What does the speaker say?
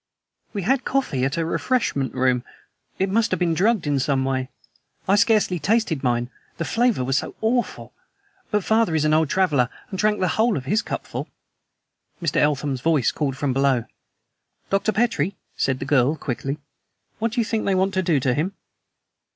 "We had coffee at a refreshment room; it must have been drugged in some way. I scarcely tasted mine, the flavor was so awful; but father is an old traveler and drank the whole of his cupful!" Mr. Eltham's voice called from below. "Dr. Petrie," said the girl quickly, "what do you think they want to do to him?"